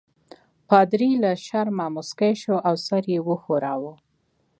پادري له شرمه مسکی شو او سر یې وښوراوه.